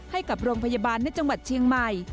ให้กับโรงพยาบาลในจังหวัดเชียงใหม่